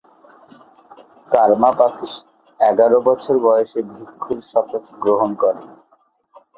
কার্মা-পাক্শি এগারো বছর বয়সে ভিক্ষুর শপথ গ্রহণ করেন।